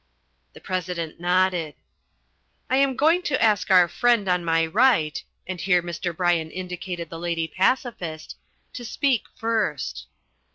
The President nodded. "I am going to ask our friend on my right" and here Mr. Bryan indicated The Lady Pacifist "to speak first."